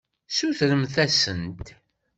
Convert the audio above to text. Sutremt-asent.